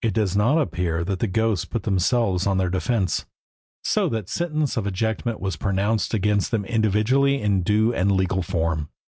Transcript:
It does not appear that the ghosts put themselves on their defence, so that sentence of ejectment was pronounced against them individually in due and legal form.